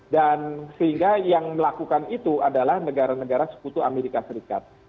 dan sehingga yang melakukan itu adalah negara negara sekutu amerika serikat